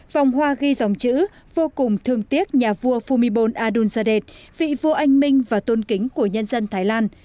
vòng hoa ghi dòng chữ vô cùng thương tiếc nhà vua fumibon adunzadeh vị vua anh minh và tôn kính của nhân dân thái lan